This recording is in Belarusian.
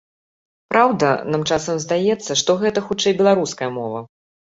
Праўда, нам часам здаецца, што гэта хутчэй беларуская мова.